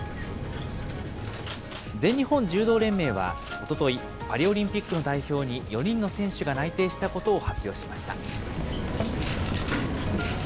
全日本柔道連盟はおととい、パリオリンピックの代表に４人の選手が内定したことを発表しました。